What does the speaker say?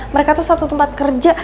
mereka tuh satu tempat kerja